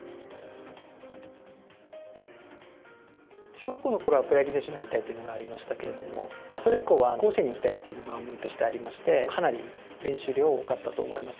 小学校の頃はプロ野球選手になりたいっていうのがありましたけれどもそれ以降は甲子園に行きたいっていうのが思いとしてありましてかなり練習量は多かったと思います。